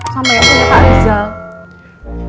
sama yang punya pak rizal